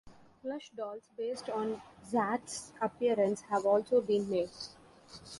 Plush dolls based on Zatch's appearance have also been made.